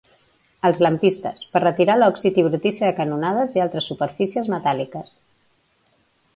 Els lampistes, per retirar l'òxid i brutícia de canonades i altres superfícies metàl·liques.